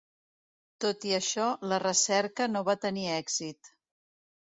Tot i això, la recerca no va tenir èxit.